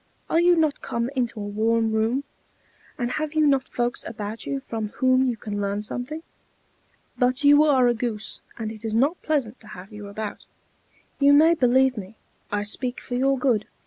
Are you not come into a warm room, and have you not folks about you from whom you can learn something? But you are a goose, and it is not pleasant to have you about. You may believe me, I speak for your good.